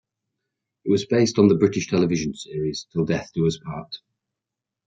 It was based on the British television series Till Death Us Do Part.